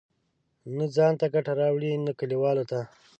نه ځان ته ګټه راوړي، نه کلیوالو ته.